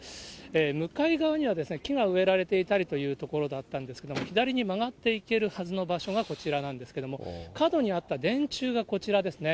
向かい側には木が植えられていたりという所だったんですけれども、左に曲がっていけるはずの場所がこちらなんですけれども、角にあった電柱がこちらですね。